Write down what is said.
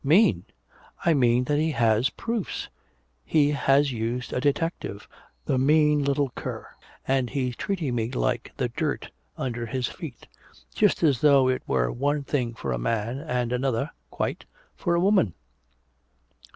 "Mean? I mean that he has proofs! He has used a detective, the mean little cur, and he's treating me like the dirt under his feet! Just as though it were one thing for a man, and another quite for a woman!